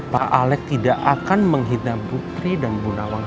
pak alex tidak akan menghidap putri dan bu nawang